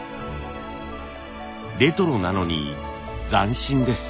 レトロなのに斬新です。